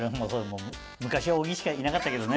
昔は小木しかいなかったけどね。